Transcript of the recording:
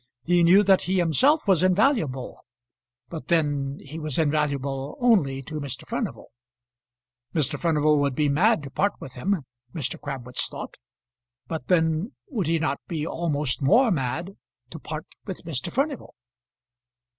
He knew that he himself was invaluable, but then he was invaluable only to Mr. Furnival. Mr. Furnival would be mad to part with him, Mr. Crabwitz thought; but then would he not be almost more mad to part with Mr. Furnival?